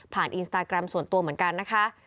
อินสตาแกรมส่วนตัวเหมือนกันนะคะ